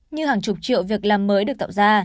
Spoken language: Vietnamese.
như hàng chục triệu việc làm mới được tạo ra